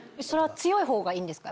強いほうがいいんですか？